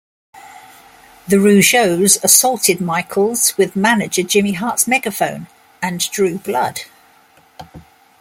The Rougeaus assaulted Michaels with manager Jimmy Hart's megaphone and drew blood.